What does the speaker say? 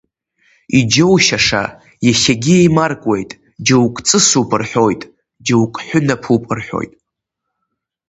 Иџьоушьаша, иахьагьы еимаркуеит, џьоукы ҵысуп рҳәоит, џьоукы ҳәынаԥуп рҳәоит.